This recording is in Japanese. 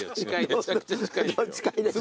めちゃくちゃ近いですよ。